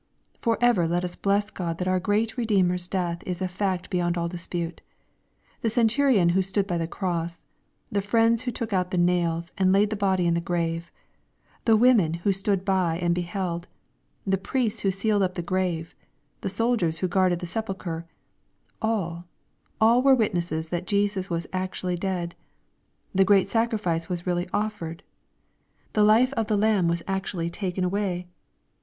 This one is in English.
For ever let us bless God that our great Bedeemer's death is a fact beyond all dispute. The centurion who stood by the cross, the friends who took out the nails, and laid the body in the grave, the women who stood by and beheld, the priests who sealed up the grave, the soldiers who guarded the sepulchre, all, all are witnesses that Jesus actually was dead. The great sacrifice was really offered. The life of the Lamb was actually taken away.